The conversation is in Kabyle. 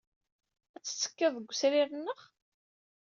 Ad tettekkiḍ deg wesrir-nneɣ?